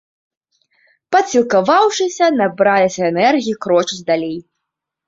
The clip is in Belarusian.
Падсілкаваўшыся, набраліся энергіі крочыць далей.